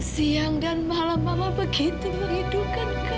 siang dan malam mama begitu merindukan